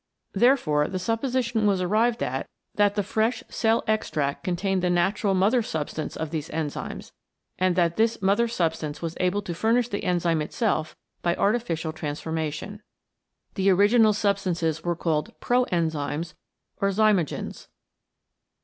Therefore the supposition was arrived at that the fresh cell extract contained the natural mother substance of these enzymes, and that this mother substance was able to furnish the enzyme itself by artificial transformation. The original sub stances were called Pro Enzymes or Zymogens.